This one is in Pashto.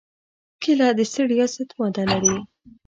کېله د ستړیا ضد ماده لري.